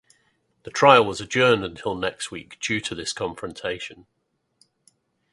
The trial was adjourned until next week due this confrontation.